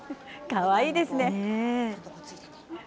かわいいですね。